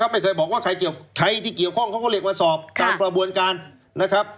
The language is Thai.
ไม่เคยบอกว่าใครเกี่ยวใครที่เกี่ยวข้องเขาก็เรียกมาสอบตามกระบวนการนะครับ